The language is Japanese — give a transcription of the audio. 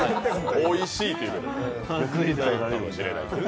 おいしいということ。